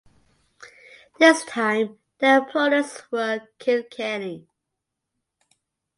This time their opponents were Kilkenny.